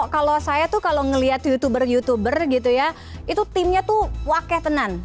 kalau saya tuh kalau ngeliat youtuber youtuber gitu ya itu timnya tuh waketenan